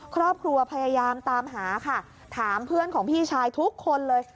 ครอบครัวพยายามตามหาค่ะถามเพื่อนของพี่ชายทุกคนเลย